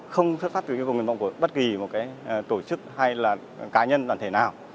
không xuất phát từ yêu cầu nguyện vọng của bất kỳ một tổ chức hay là cá nhân đoàn thể nào